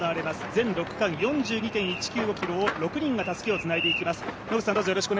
全６区間４２．１９５ｋｍを６人がたすきをつないでいきます。